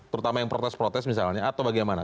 terutama yang protes protes misalnya atau bagaimana